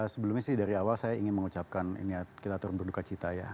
sebelumnya sih dari awal saya ingin mengucapkan ini kita turun berduka cita ya